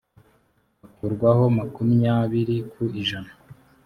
hakurwaho makumyabiri ku ijana